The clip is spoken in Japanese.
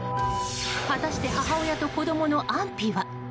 果たして、母親と子供の安否は？